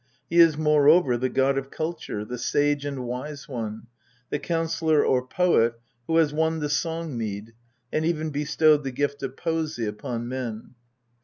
He is moreover the god of culture, the Sage and Wise One, the Counsellor or Poet who has won the Song mead, and even bestowed the gift of poesy upon men.